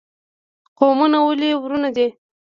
قومونه ولې ورونه دي؟